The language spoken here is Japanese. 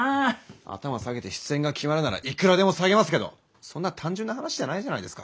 頭下げて出演が決まるならいくらでも下げますけどそんな単純な話じゃないじゃないですか。